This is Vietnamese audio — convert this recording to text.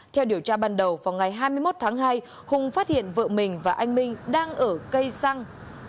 theo điều tra ban đầu vào ngày hai mươi một tháng hai hùng phát hiện vợ mình và anh minh đang ở cây xăng